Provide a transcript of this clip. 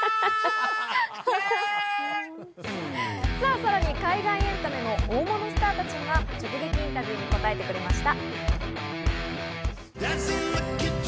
さらに海外エンタメの大物スターたちが直撃インタビューに答えてくれました。